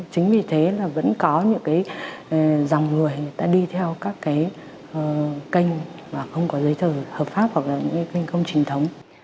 chính vì thế là vẫn có những cái dòng người người ta đi theo các cái kênh mà không có giấy thờ hợp pháp hoặc là những cái kênh công trình thống